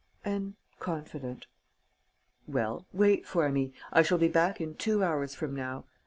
"And confident." "Well, wait for me. I shall be back in two hours from now.